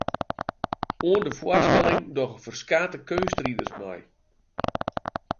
Oan de foarstelling dogge ferskate keunstriders mei.